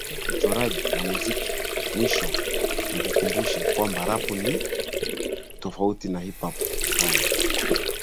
Fasihi uchoraji na Muziki Mwisho nikukumbushe kwamba Rap ni tofauti na hip hop Kughani